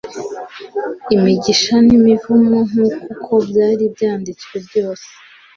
imigisha n imivumo nk uko byari byanditswe byose